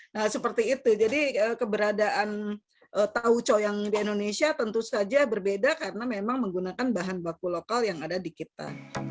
nah seperti itu jadi keberadaan tauco yang di indonesia tentu saja berbeda karena memang menggunakan bahan baku lokal yang ada di kita